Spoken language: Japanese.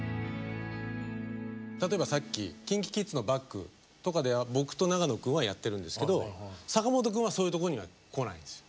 例えばさっきＫｉｎＫｉＫｉｄｓのバックとかで僕と長野くんはやってるんですけど坂本くんはそういうとこには来ないんです。